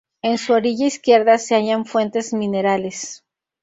En su orilla izquierda se hallan fuentes minerales.